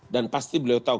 dan pasti beliau tahu